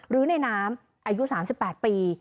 หรือในน้ำอายุ๓๘ปี